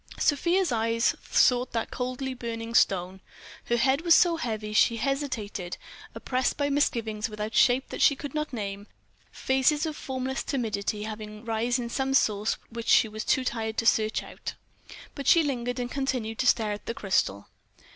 Sofia's eyes sought that coldly burning stone. Her head was so heavy, she hesitated, oppressed by misgivings without shape that she could name, phases of formless timidity having rise in some source which she was too tired to search out. But she lingered and continued to stare at the crystal.